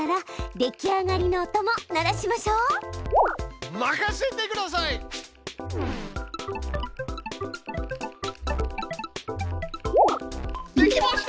できました！